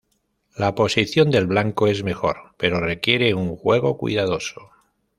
La posición del blanco es mejor, pero requiere un juego cuidadoso.